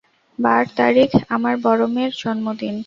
বার তারিখ আমার বড়মেয়ের জন্মদিন।